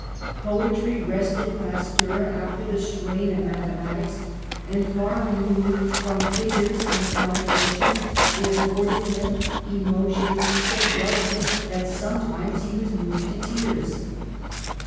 Poetry rested Pasteur after the strain of mathematics, and, far removed from figures and calculations, it afforded him emo tions so delicate that sometimes he was moved to tears.